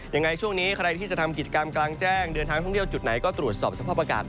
ยังไงช่วงนี้ใครที่จะทำกิจกรรมกลางแจ้งเดินทางท่องเที่ยวจุดไหนก็ตรวจสอบสภาพอากาศ